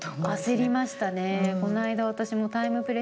焦りましたね。